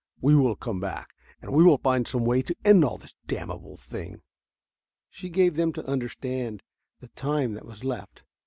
"We will come back, and we will find some way to end all this damnable thing." She gave them to understand the time that was left.